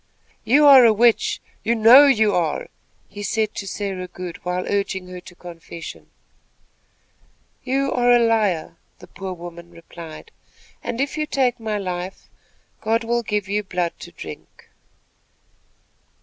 "You are a witch. You know you are," he said to Sarah Good, while urging her to confession. "You are a liar," the poor woman replied, "and, if you take my life, God will give you blood to drink."